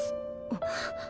あっ。